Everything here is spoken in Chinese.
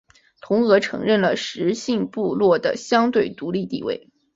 同俄承认了十姓部落的相对独立地位。